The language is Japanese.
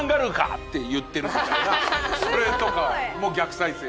それとか逆再生で。